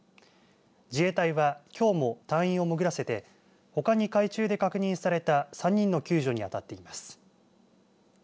自衛隊はきょうも隊員を潜らせてほかに海中で確認された３人の救助に当たっています。